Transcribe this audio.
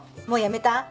もう辞めた？